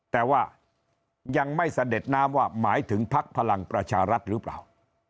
แต่ว่ายังไม่เสด็จน้ำว่าหมายถึงพักพลังประชารัฐหรือเปล่า